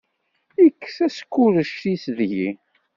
Yekkes askurec-is deg-i.